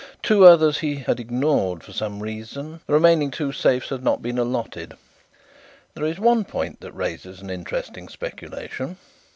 Two others he had ignored for some reason; the remaining two safes had not been allotted. There is one point that raises an interesting speculation."